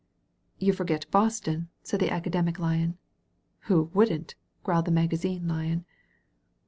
"You forget Boston," said the Academic Lion. "Who wouldn't?" growled the Magazine Lion.